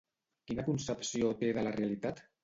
Quina concepció té de la realitat?